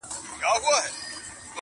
مینه د رنګین بیرغ دي غواړمه په زړه کي -